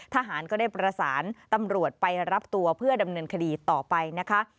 ทหารก็ได้ประสานตำรวจไปรับตัวเพื่อดำเนินคดีต่อไปนะคะ